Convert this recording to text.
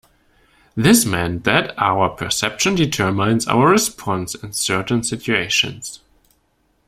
This meant that our perception determines our response in certain situations.